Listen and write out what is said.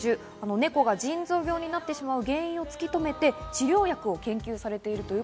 ネコが腎臓病になってしまう原因をつきとめて治療薬を研究されています。